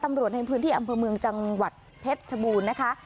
ตำรวจในพื้นที่อำเภอเมืองจังหวัดเพชรชบูรณ์นะคะ